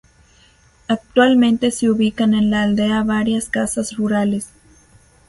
Actualmente se ubican en la aldea varias casas rurales.